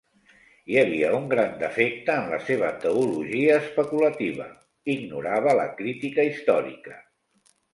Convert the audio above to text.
Hi havia un gran defecte en la seva teologia especulativa: ignorava la crítica històrica.